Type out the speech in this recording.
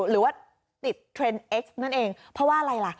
หรือว่าติดเทรนด์เอ็กซ์นั่นเองเพราะว่าอะไรล่ะ